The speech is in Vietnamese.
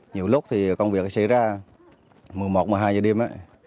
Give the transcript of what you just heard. nhiều lúc thì công việc xảy ra một mươi một một mươi hai giờ đêm